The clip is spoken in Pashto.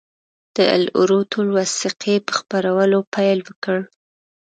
د العروة الوثقی په خپرولو پیل وکړ.